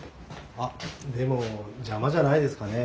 あっでも邪魔じゃないですかね？